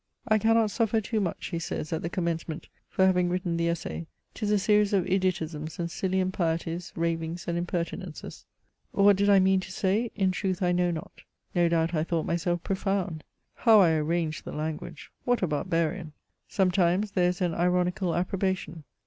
" I cannot CHATEAUBRIAND. 1 5 suffer too much/' he says at the commencement, " for haying written the Essai ; 'tis a series of idiotisms and silly impieties, ravings and impertinences. What did I mean to say ? In truth, I know not. No doubt, I thought myself profound. How I arranged the language ! what a barbarian !"' Sometimes there is an ironical approbation.